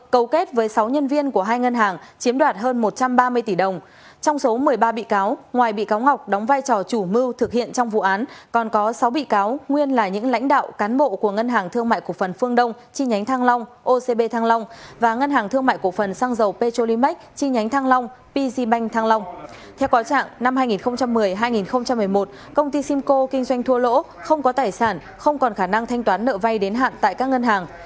có trạng năm hai nghìn một mươi hai nghìn một mươi một công ty simcoe kinh doanh thua lỗ không có tài sản không còn khả năng thanh toán nợ vay đến hạn tại các ngân hàng